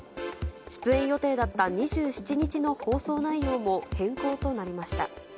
出演予定だった２７日の放送内容も変更となりました。